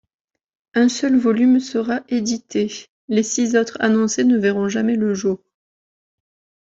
Un seul volume sera édité; les six autres annoncés ne verront jamais le jour.